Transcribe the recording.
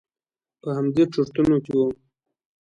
په همدې چرتونو کې وم.